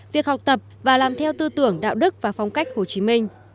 việc học tập và làm theo tư tưởng đạo đức và phong cách hồ chí minh